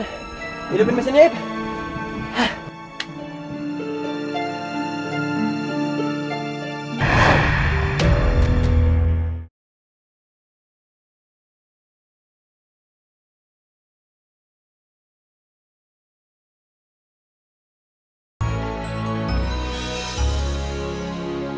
hidupin mesinnya ip